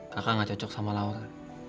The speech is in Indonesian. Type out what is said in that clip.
kakak gak cocok sama laura